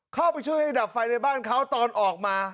เข้าไปช่วยให้ดับไฟในบ้านเขาตอนออกมา